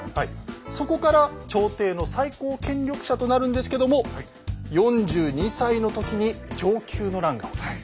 そこから朝廷の最高権力者となるんですけども４２歳の時に承久の乱が起きます。